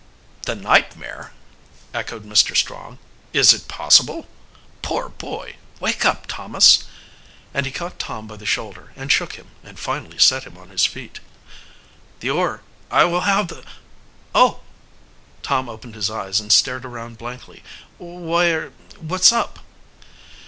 "The nightmare!" echoed Mr. Strong. "Is it possible? Poor boy! Wake up, Thomas!" and he caught Tom by the shoulder and shook him and finally set him on his feet. "The oar I will have the Oh!" Tom opened his eyes and stared around him blankly. "Why er what's up?"